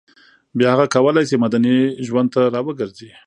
بیا هغه کولای شي مدني ژوند ته راوګرځي